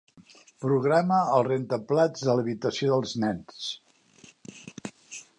Programa el rentaplats de l'habitació dels nens.